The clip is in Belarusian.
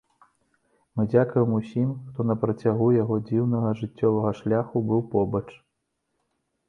Мы дзякуем усім, хто на працягу яго дзіўнага жыццёвага шляху быў побач.